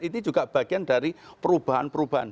ini juga bagian dari perubahan perubahan